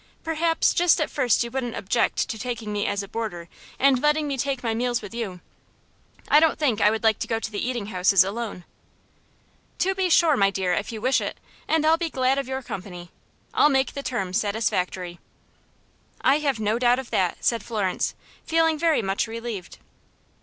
"Perhaps just at first you wouldn't object to taking me as a boarder, and letting me take my meals with you. I don't think I would like to go to the eating houses alone." "To be sure, my dear, if you wish it, and I'll be glad of your company. I'll make the terms satisfactory." "I have no doubt of that," said Florence, feeling very much relieved.